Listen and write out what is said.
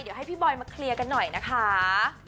เดี๋ยวให้พี่บอยมาเคลียร์กันหน่อยนะคะ